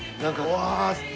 うわ。